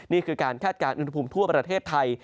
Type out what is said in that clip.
นี่คือการคาดการณ์อุณหภูมิทั่วประเทศไทย